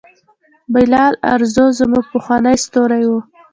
بلال ارزو زموږ پخوانی ستوری و.